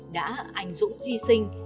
đã anh dũng hy sinh